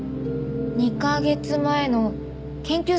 ２カ月前の研究成果